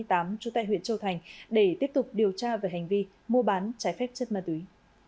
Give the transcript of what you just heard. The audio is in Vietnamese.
trú tại huyện châu thành để tiếp tục điều tra về hành vi mua bán trái phép chất ma túy